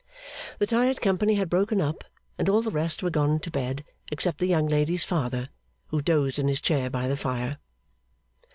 The tired company had broken up, and all the rest were gone to bed except the young lady's father, who dozed in his chair by the fire.